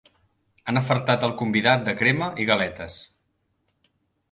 Han afartat el convidat de crema i galetes.